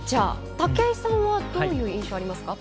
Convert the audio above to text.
武井さんはどういう印象がありますか。